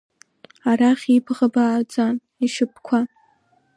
Арахь ибӷа бааӡан, ишьапқәа…